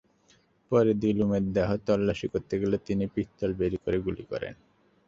পরে দিলুমের দেহ তল্লাশি করতে গেলে তিনি পিস্তল বের করে গুলি করেন।